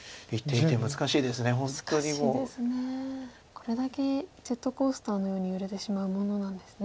これだけジェットコースターのように揺れてしまうものなんですね